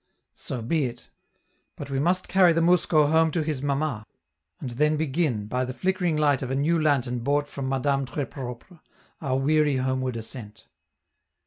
So be it! But we must carry the mousko home to his mamma, and then begin, by the flickering light of a new lantern bought from Madame Tres Propre, our weary homeward ascent.